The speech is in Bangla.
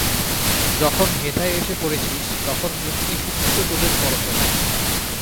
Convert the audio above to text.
যখন হেথায় এসে পড়েছিস, তখন মুক্তি-ফুক্তি তো তোদের করতলে।